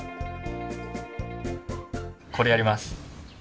これやります。